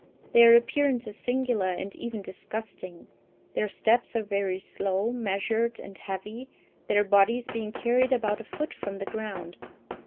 Their appearance is singular, and even disgusting. Their steps are very slow, measured, and heavy, their bodies being carried about a foot from the ground.